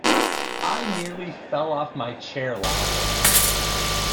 I nearly fell off my chair laughing